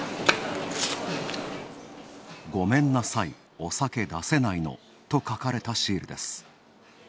「ごめんなさいお酒出せないの」と書かれたシールです。